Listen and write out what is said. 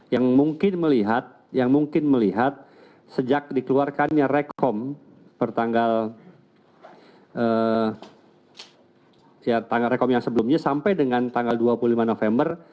yang mungkin melihat yang mungkin melihat sejak dikeluarkannya rekom per tanggal rekom yang sebelumnya sampai dengan tanggal dua puluh lima november